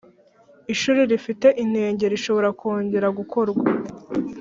Ishuri irifte inenge rishobora kongera gukorwa